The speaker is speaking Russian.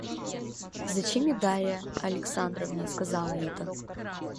Зачем мне Дарья Александровна сказала это?